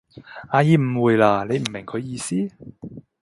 阿姨誤會喇，你唔明佢意思？